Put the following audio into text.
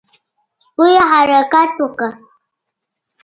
سپيو حرکت وکړ.